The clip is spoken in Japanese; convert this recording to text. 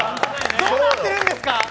どうなってるんです。